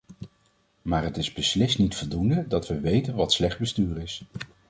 Maar het is beslist niet voldoende dat we weten wat slecht bestuur is.